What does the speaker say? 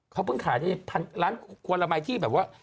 เขาพึ่งขายร้านกรีมัตริย์แบบว่า